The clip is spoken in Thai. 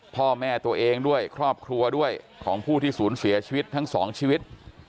พ่อแม่ตัวเองด้วยครอบครัวด้วยของผู้ที่ศูนย์เสียชีวิตทั้งสองชีวิต